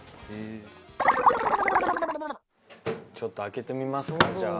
ちょっと開けてみますかじゃあ。